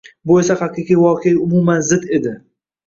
bu esa haqiqiy voqeaga umuman zid edi.